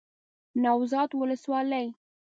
نوزاد ولسوالۍ